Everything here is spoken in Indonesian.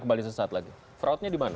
kembali sesaat lagi fraudnya dimana